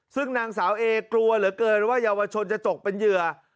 ซึ่งนางสาวเอกลัวเหลือเกินว่าเยาวชนจะตกเป็นเหยื่อ